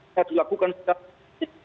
tidak dilakukan secara setihak